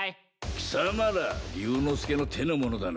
貴様ら竜之介の手の者だな？